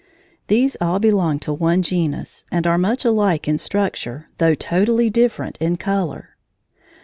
These all belong to one genus, and are much alike in structure, though totally different in color.